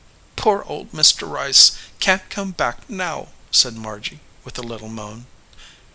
"Poor old Mr. Rice can t come back now/ said Margy, with a little moan.